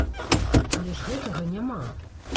Але ж гэтага няма.